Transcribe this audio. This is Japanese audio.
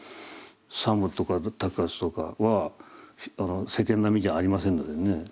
作務とか托鉢とかは世間並みじゃありませんのでね。